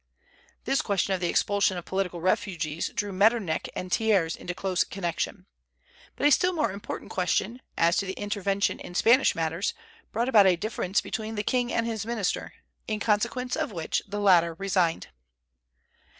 This question of the expulsion of political refugees drew Metternich and Thiers into close connection. But a still more important question, as to intervention in Spanish matters, brought about a difference between the king and his minister, in consequence of which the latter resigned.